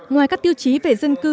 ngoài các tiêu chí về dân cư